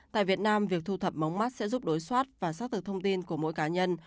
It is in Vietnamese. tại việt nam việc thu thập mống mắt sẽ giúp đối soát và xác thực thông tin của mỗi cá nhân